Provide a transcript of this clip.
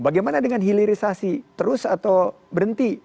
bagaimana dengan hilirisasi terus atau berhenti